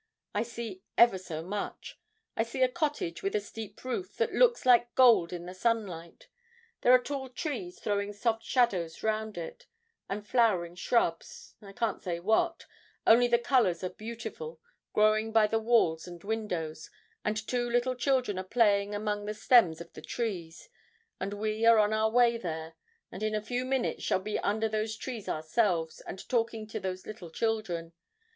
I see ever so much. I see a cottage with a steep roof, that looks like gold in the sunlight; there are tall trees throwing soft shadows round it, and flowering shrubs, I can't say what, only the colours are beautiful, growing by the walls and windows, and two little children are playing among the stems of the trees, and we are on our way there, and in a few minutes shall be under those trees ourselves, and talking to those little children.